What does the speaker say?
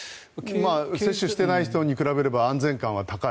接種していない人に比べれば安全感は高い。